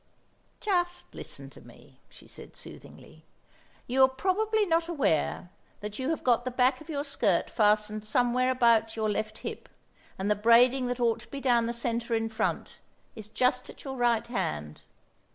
"Just listen to me," she said soothingly. "You are probably not aware that you have got the back of your skirt fastened somewhere about your left hip, and the braiding that ought to be down the centre in front, is just at your right hand.